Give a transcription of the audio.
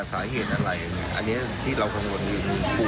ส่วนของก็คือผสมแบ่งตัว